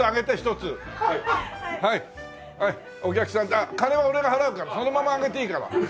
あっ金は俺が払うからそのままあげていいから。